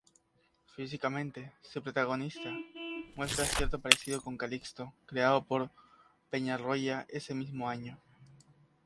Físicamente, su protagonista muestra cierto parecido con "Calixto", creado por Peñarroya ese mismo año.